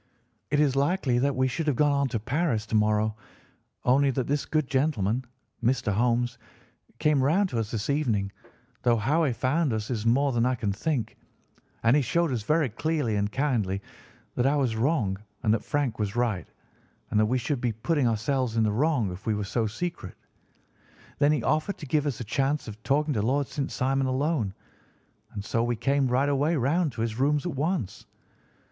It is likely that we should have gone on to Paris to morrow, only that this good gentleman, Mr. Holmes, came round to us this evening, though how he found us is more than I can think, and he showed us very clearly and kindly that I was wrong and that Frank was right, and that we should be putting ourselves in the wrong if we were so secret. Then he offered to give us a chance of talking to Lord St. Simon alone, and so we came right away round to his rooms at once.